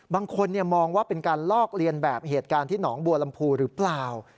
บางคนมองว่าเป็นการลอกเลียนแบบเหตุการณ์ที่หนองบัวลำพูหรือเปล่า